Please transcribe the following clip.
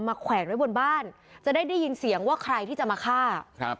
แขวนไว้บนบ้านจะได้ยินเสียงว่าใครที่จะมาฆ่าครับ